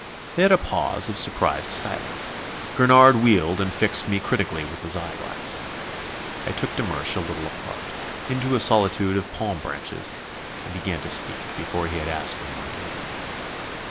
They had a pause of surprised silence. Gurnard wheeled and fixed me critically with his eye glass. I took de Mersch a little apart, into a solitude of palm branches, and began to speak before he had asked me my errand.